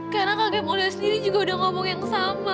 karena kakek mulia sendiri juga udah ngomong yang sama pak